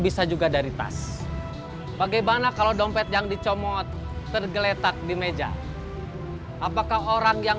bisa juga dari tas bagaimana kalau dompet yang dicomot tergeletak di meja apakah orang yang